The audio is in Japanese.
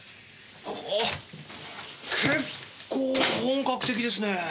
これ結構本格的ですねえ。